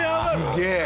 すげえ！